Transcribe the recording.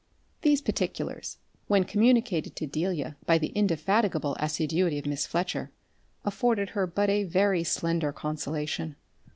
These particulars, when communicated to Delia by the indefatigable assiduity of Miss Fletcher, afforded her but a very slender consolation.